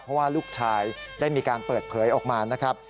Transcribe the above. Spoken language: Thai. เพราะว่าลูกชายได้มีการเปิดเผยออกมานะครับ